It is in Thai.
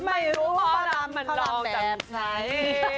ไม่รู้หมอลำมันรองแบบไหน